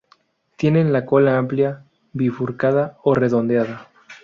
Tienen cola amplia, bifurcada o redondeada.